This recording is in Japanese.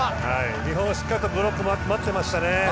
日本、しっかりブロックを待ってましたね。